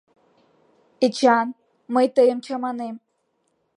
— Эчан, мый тыйым чаманем...